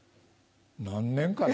何年かな？